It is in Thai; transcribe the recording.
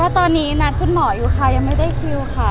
ตอนนี้นัดคุณหมออยู่ค่ะยังไม่ได้คิวค่ะ